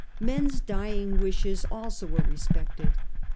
Men's dying wishes also were re spected.